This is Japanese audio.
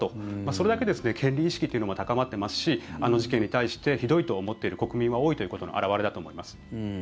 それだけ権利意識というのも高まっていますしあの事件に対してひどいと思っている国民は多いということの表れだと思います。